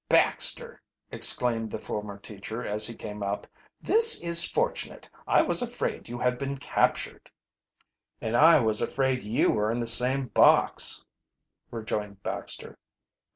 "Baxter!" exclaimed the former teacher, as, he carne up. "This is fortunate; I was afraid you had been captured." "And I was afraid you were in the same box," rejoined Baxter.